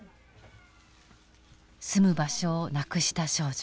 住む場所をなくした少女。